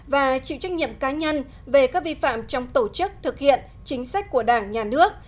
và chịu trách nhiệm cá nhân về các vi phạm trong tổ chức thực hiện chính sách của đảng nhà nước